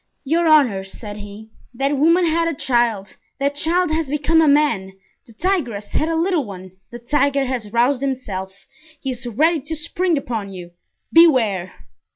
"Your honors," said he, "that woman had a child; that child has become a man; the tigress had a little one, the tiger has roused himself; he is ready to spring upon you—beware!"